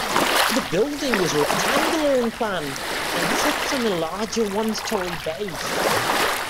The building is rectangular in plan and sits on a larger one-story base.